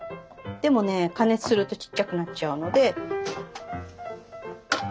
でもね加熱するとちっちゃくなっちゃうので。